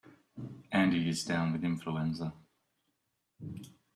Andy is down with influenza.